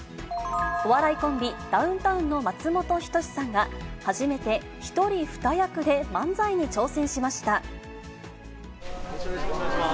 お笑いコンビ、ダウンタウンの松本人志さんが初めて、一人二役で漫才に挑戦しまよろしくお願いします。